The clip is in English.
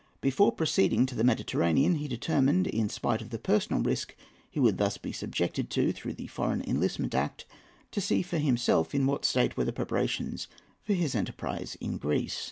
Before proceeding to the Mediterranean, he determined, in spite of the personal risk he would thus be subjected to through the Foreign Enlistment Act, to see for himself in what state were the preparations for his enterprise in Greece.